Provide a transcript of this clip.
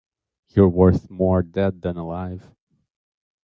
You're worth more dead than alive.